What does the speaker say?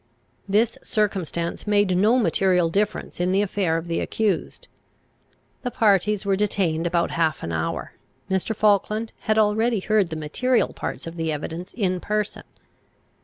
This circumstance made no material difference in the affair of the accused. The parties were detained about half an hour. Mr. Falkland had already heard the material parts of the evidence in person.